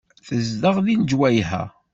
Tezdeɣ deg lejwayeh-a.